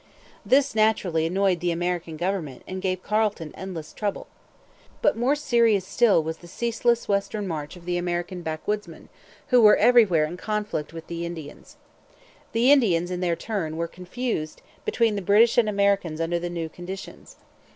This naturally annoyed the American government and gave Carleton endless trouble. But more serious still was the ceaseless western march of the American backwoodsmen, who were everywhere in conflict with the Indians. The Indians, in their turn, were confused between the British and Americans under the new conditions.